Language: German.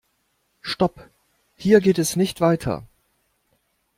Stopp! Hier geht es nicht weiter.